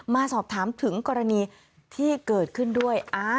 มาสอบถามถึงกรณีที่เกิดขึ้นด้วย